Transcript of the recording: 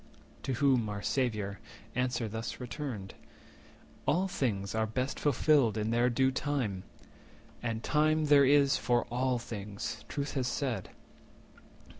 180 To whom our Saviour answer thus returned:— "All things are best fulfilled in their due time; And time there is for all things, Truth hath said.